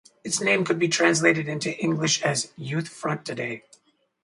Its name could be translated into English as "Youth Front Today".